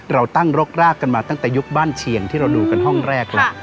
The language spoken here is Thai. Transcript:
เราตั้งรกรากกันมาตั้งแต่ยุคบ้านเชียงที่เราดูกันห้องแรกแล้ว